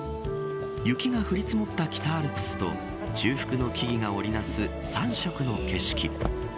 雪が降り積もった北アルプスと中腹の木々が織りなす三色の景色。